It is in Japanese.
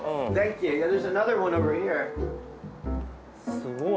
すごい。